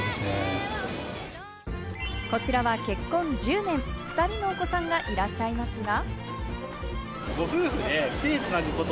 こちらは結婚１０年、２人のお子さんがいらっしゃいますが。